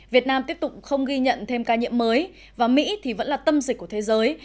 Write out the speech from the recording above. việt nam tiếp tục không ghi nhận thêm ca nhiễm mới và mỹ vẫn là tâm dịch của thế giới